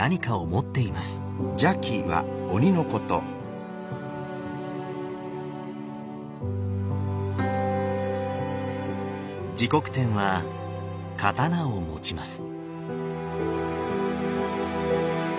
持国天は刀を持ちます。